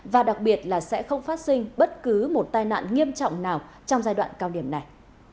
và đặc biệt là sẽ không phát sinh bất cứ một tai nạn nghiêm trọng nào trong giai đoạn cao điểm này